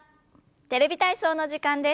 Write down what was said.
「テレビ体操」の時間です。